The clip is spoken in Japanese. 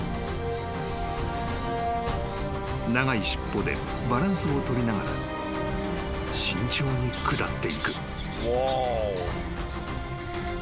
［長い尻尾でバランスを取りながら慎重に下っていく］